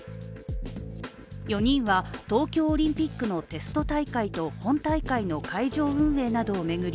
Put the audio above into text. ４人は東京オリンピックのテスト大会と本大会の会場運営などを巡り